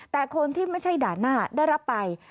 แต่คนที่ไม่ใช่ด่านหน้าได้รับไป